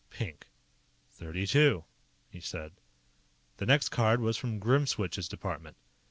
Pink. "Thirty two," he said. The next card was from Grimswitch's department.